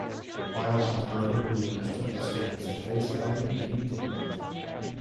While some early reviewers took his statements at face value, many did not.